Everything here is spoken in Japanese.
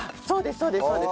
そうです